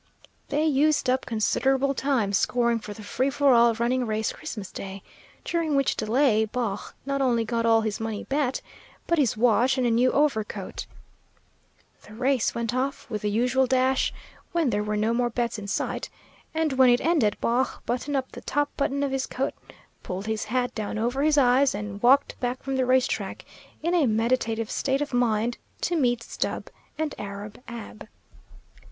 They used up considerable time scoring for the free for all running race Christmas Day, during which delay Baugh not only got all his money bet, but his watch and a new overcoat. The race went off with the usual dash, when there were no more bets in sight; and when it ended Baugh buttoned up the top button of his coat, pulled his hat down over his eyes, and walked back from the race track in a meditative state of mind, to meet Stubb and Arab Ab.